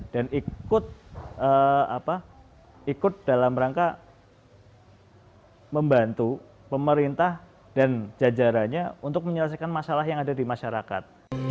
dan ikut dalam rangka membantu pemerintah dan jajarannya untuk menyelesaikan masalah yang ada di masyarakat